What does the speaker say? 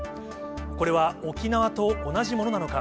これは沖縄と同じものなのか。